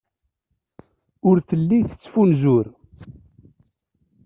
Ur telli tettfunzur.